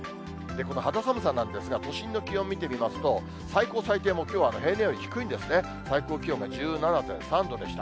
この肌寒さなんですが、都心の気温見てみますと、最高最低もきょうは平年より低いんですね、最高気温が１７．３度でした。